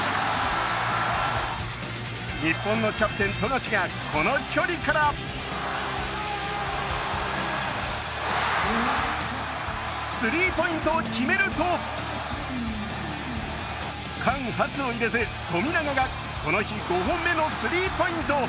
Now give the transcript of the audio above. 日本のキャプテン・富樫がこの距離からスリーポイントを決めると、間髪を入れず富永がこの日、５本目のスリーポイント。